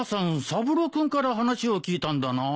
三郎君から話を聞いたんだな。